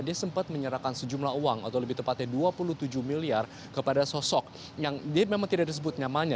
dia sempat menyerahkan sejumlah uang atau lebih tepatnya dua puluh tujuh miliar kepada sosok yang dia memang tidak disebut nyamannya